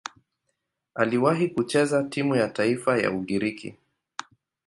Aliwahi kucheza timu ya taifa ya Ugiriki.